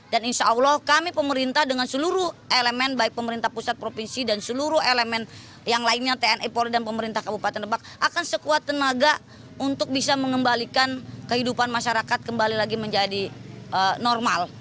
dan insya allah kami pemerintah dengan seluruh elemen baik pemerintah pusat provinsi dan seluruh elemen yang lainnya tni polri dan pemerintah kabupaten lebak akan sekuat tenaga untuk bisa mengembalikan kehidupan masyarakat kembali lagi menjadi normal